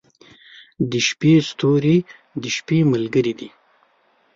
• د شپې ستوري د شپې ملګري دي.